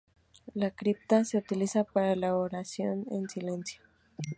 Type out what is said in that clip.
La cripta se utiliza para la oración en silencio.